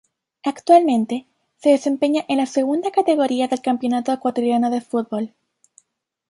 Actualmente se desempeña en la Segunda Categoría del Campeonato Ecuatoriano de Fútbol.